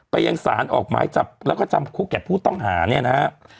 ไปยังศาลออกไม้จับแล้วก็จำขู่แก่ผู้ต้องหาเนี่ยนะ